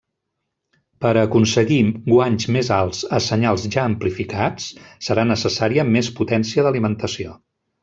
Per a aconseguir guanys més alts a senyals ja amplificats, serà necessària més potència d'alimentació.